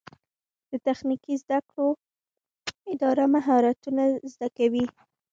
د تخنیکي زده کړو اداره مهارتونه زده کوي